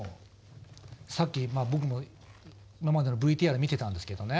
さっき僕も今までのＶＴＲ見てたんですけどね